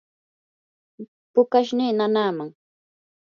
pukashnii nanaaman.